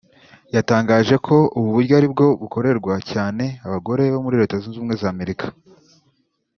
yatangaje ko ubu buryo aribwo bukorerwa cyane abagore bo muri Leta Zunze Ubumwe za Amerika